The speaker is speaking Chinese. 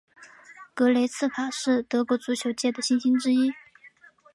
格雷茨卡是德国足球界的新星之一。